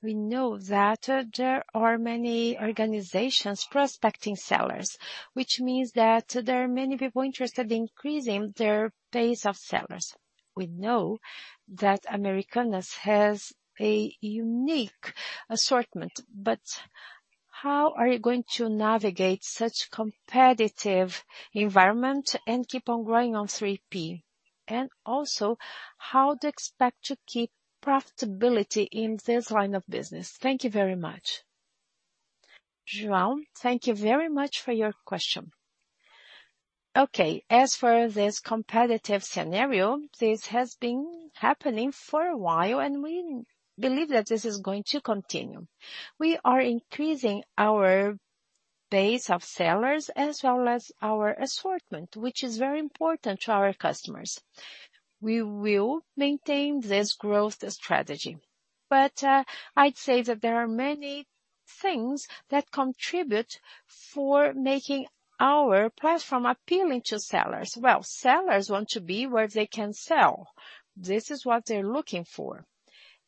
We know that there are many organizations prospecting sellers, which means that there are many people interested in increasing their base of sellers. We know that Americanas has a unique assortment, but how are you going to navigate such competitive environment and keep on growing on 3P? And also, how do you expect to keep profitability in this line of business? Thank you very much. João, thank you very much for your question. Okay, as for this competitive scenario, this has been happening for a while, and we believe that this is going to continue. We are increasing our base of sellers as well as our assortment, which is very important to our customers. We will maintain this growth strategy. I'd say that there are many things that contribute for making our platform appealing to sellers. Well, sellers want to be where they can sell. This is what they're looking for.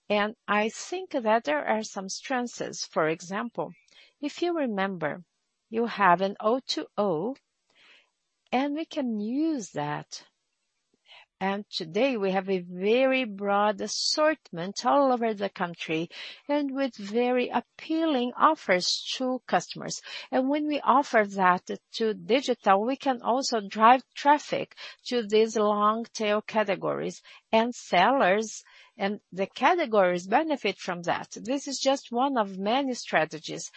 I think that there are some strengths. For example, if you remember, you have an O2O, and we can use that. Today, we have a very broad assortment all over the country and with very appealing offers to customers. When we offer that to digital, we can also drive traffic to these long tail categories and sellers, and the categories benefit from that. This is just one of many strategies.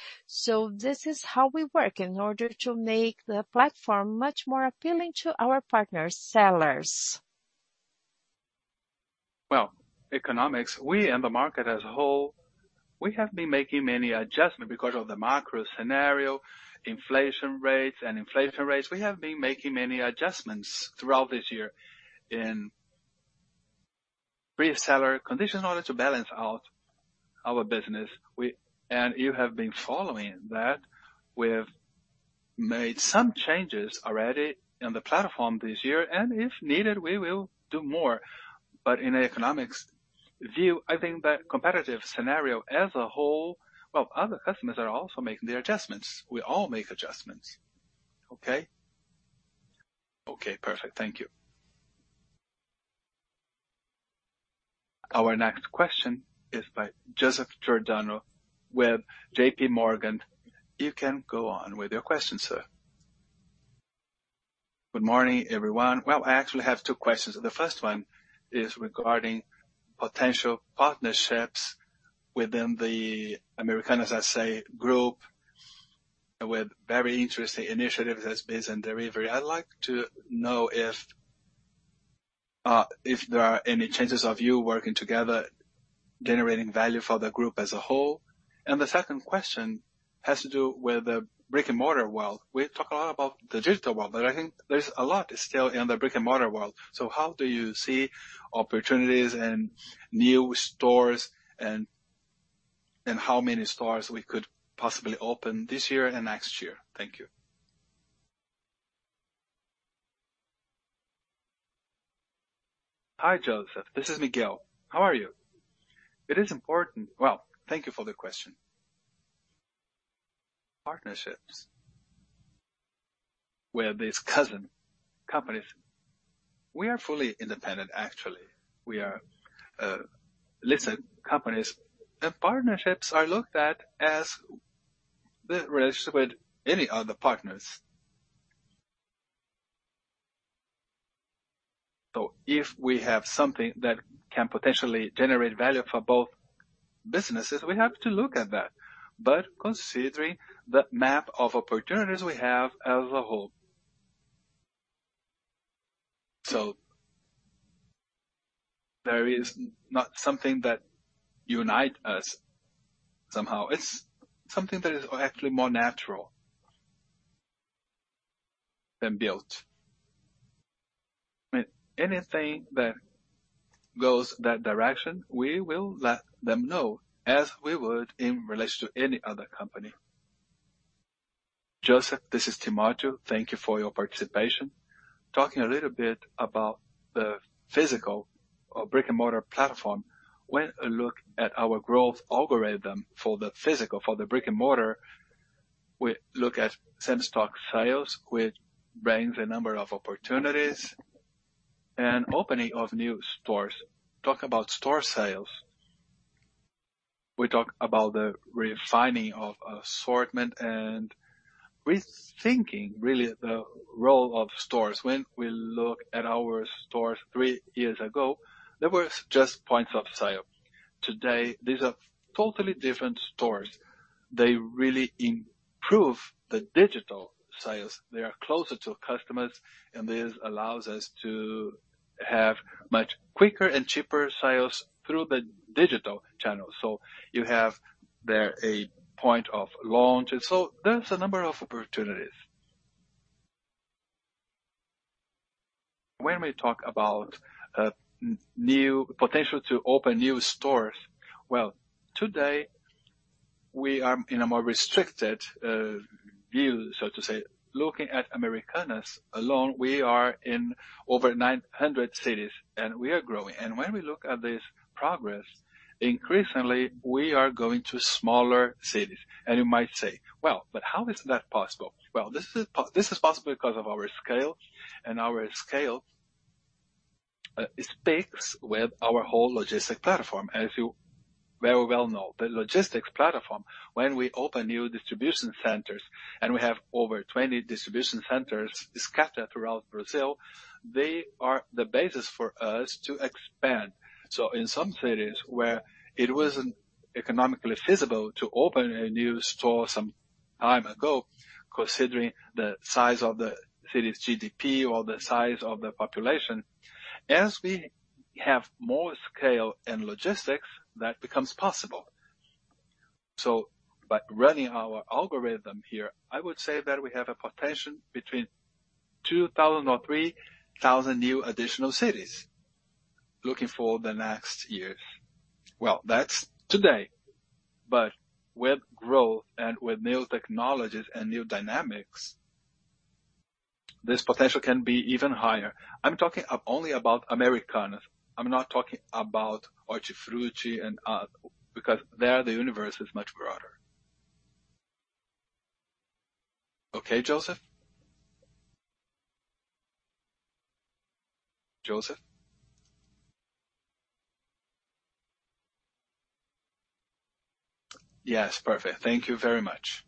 This is how we work in order to make the platform much more appealing to our partners, sellers. Well, in economics, we and the market as a whole have been making many adjustments because of the macro scenario, inflation rates. We have been making many adjustments throughout this year in pricing conditions in order to balance out our business. You have been following that. We have made some changes already on the platform this year, and if needed, we will do more. In economic view, I think that competitive scenario as a whole. Well, other customers are also making their adjustments. We all make adjustments. Okay? Okay, perfect. Thank you. Our next question is by Joseph Giordano with JP Morgan. You can go on with your question, sir. Good morning, everyone. Well, I actually have two questions. The first one is regarding potential partnerships within the Americanas, I say, group, with very interesting initiatives that are based on delivery. I'd like to know if there are any chances of you working together, generating value for the group as a whole. The second question has to do with the brick-and-mortar world. We talk a lot about the digital world, but I think there's a lot still in the brick-and-mortar world. How do you see opportunities and new stores and how many stores we could possibly open this year and next year? Thank you. Hi, Joseph. This is Miguel. How are you? It is important. Well, thank you for the question. Partnerships with these cousin companies. We are fully independent, actually. We are listed companies. The partnerships are looked at as the relationship with any other partners. If we have something that can potentially generate value for both businesses, we have to look at that. Considering the map of opportunities we have as a whole. There is not something that unites us somehow. It's something that is actually more natural than built. Anything that goes that direction, we will let them know as we would in relation to any other company. Joseph, this is Timotheo. Thank you for your participation. Talking a little bit about the physical or brick-and-mortar platform. When we look at our growth algorithm for the physical, for the brick-and-mortar, we look at same-store sales, which brings a number of opportunities and opening of new stores. We talk about store sales. We talk about the refining of assortment and rethinking really the role of stores. When we look at our stores three years ago, they were just points of sale. Today, these are totally different stores. They really improve the digital sales. They are closer to customers, and this allows us to have much quicker and cheaper sales through the digital channels. You have there a point of launch. There's a number of opportunities. When we talk about new potential to open new stores. Well, today we are in a more restricted view, so to say. Looking at Americanas alone, we are in over 900 cities, and we are growing. When we look at this progress, increasingly we are going to smaller cities. You might say, "Well, but how is that possible?" Well, this is possible because of our scale, and our scale speaks with our whole logistic platform. As you very well know, the logistics platform, when we open new distribution centers, and we have over 20 distribution centers scattered throughout Brazil, they are the basis for us to expand. In some cities where it wasn't economically feasible to open a new store some time ago, considering the size of the city's GDP or the size of the population, as we have more scale and logistics, that becomes possible. By running our algorithm here, I would say that we have a potential between 2,000 or 3,000 new additional cities looking for the next years. Well, that's today, but with growth and with new technologies and new dynamics, this potential can be even higher. I'm talking only about Americanas. I'm not talking about Hortifruti and others, because there the universe is much broader. Okay, Joseph? Joseph? Yes. Perfect. Thank you very much.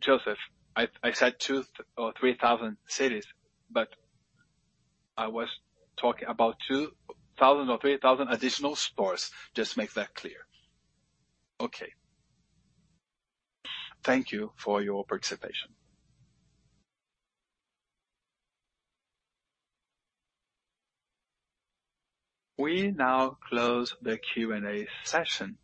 Joseph, I said 2 or 3 thousand cities, but I was talking about 2,000 or 3,000 additional stores. Just to make that clear. Okay. Thank you for your participation. We now close the Q&A session.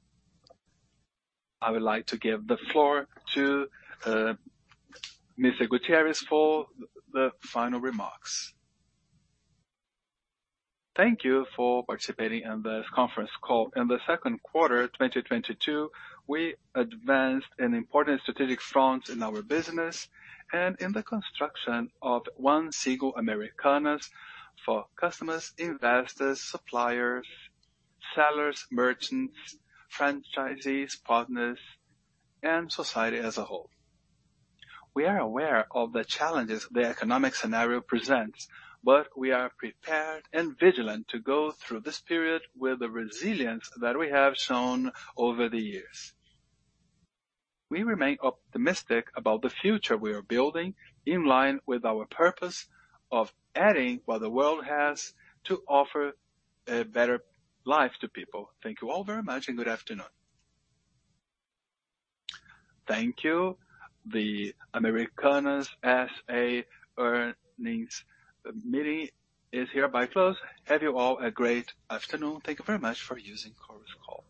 I would like to give the floor to Mr. Gutierrez for the final remarks. Thank you for participating in this conference call. In the second quarter of 2022, we advanced an important strategic front in our business and in the construction of one single Americanas for customers, investors, suppliers, sellers, merchants, franchisees, partners, and society as a whole. We are aware of the challenges the economic scenario presents, but we are prepared and vigilant to go through this period with the resilience that we have shown over the years. We remain optimistic about the future we are building in line with our purpose of adding what the world has to offer a better life to people. Thank you all very much and good afternoon. Thank you. The Americanas S.A. earnings meeting is hereby closed. Have you all a great afternoon. Thank you very much for using Chorus Call.